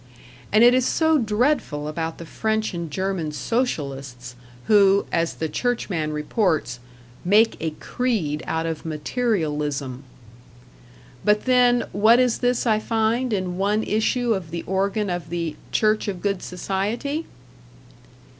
And it is so dreadful about the French and German Socialists, who, as the "Churchman" reports, "make a creed out of materialism." But then, what is this I find in one issue of the organ of the "Church of Good Society"?